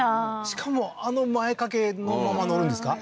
しかもあの前掛けのまま乗るんですか？